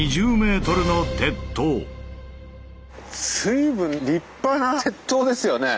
随分立派な鉄塔ですよね。